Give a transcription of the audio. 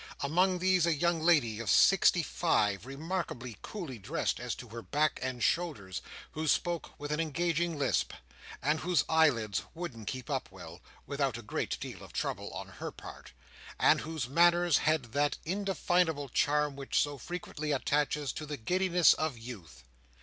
Among these, a young lady of sixty five, remarkably coolly dressed as to her back and shoulders, who spoke with an engaging lisp, and whose eyelids wouldn't keep up well, without a great deal of trouble on her part, and whose manners had that indefinable charm which so frequently attaches to the giddiness of youth.